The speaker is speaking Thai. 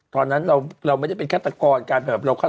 ตอนนั้นเราไม่ได้เป็นคาตรกร